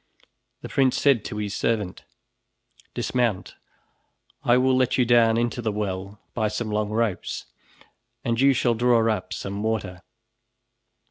The prince said to the servant: "Dismount, I will let you down into the well by some long ropes and you shall draw up some water."